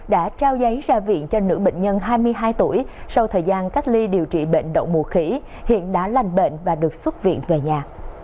đã trao giấy ra viện cho nữ bệnh nhân hai mươi hai tuổi sau thời gian cách ly điều trị bệnh đậu mùa khỉ hiện đã lành bệnh và được xuất viện về nhà